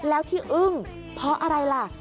แล้วที่อึ้งเพราะอะไรล่ะ